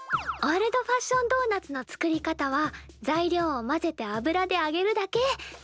オールドファッションドーナツの作り方は材料を混ぜて油であげるだけ。